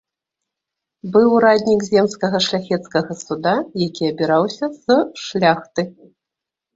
Быў ураднік земскага шляхецкага суда, які абіраўся з шляхты.